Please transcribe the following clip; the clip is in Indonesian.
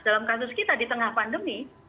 dalam kasus kita di tengah pandemi